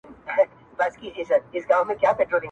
کار خو په خپلو کيږي کار خو په پرديو نه سي.